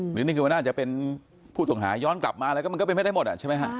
นี่คือมันน่าจะเป็นผู้ต้องหาย้อนกลับมาอะไรก็มันก็เป็นไม่ได้หมดอ่ะใช่ไหมฮะ